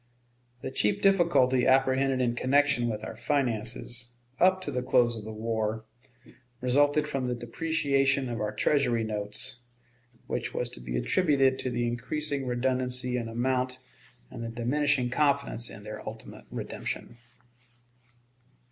The chief difficulty apprehended in connection with our finances, up to the close of the war, resulted from the depreciation of our Treasury notes, which was to be attributed to the increasing redundancy in amount and the diminishing confidence in their ultimate redemption.